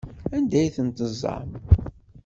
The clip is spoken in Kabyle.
Anda ay ten-teẓẓam?